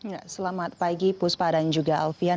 ya selamat pagi puspa dan juga alfian